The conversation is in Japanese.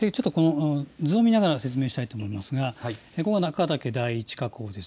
図を見ながら説明したいと思いますが中岳第一火口がここです。